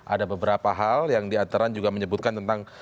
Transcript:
ada beberapa hal yang diantara juga menyebutkan tentang